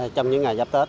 trong những ngày giáp tết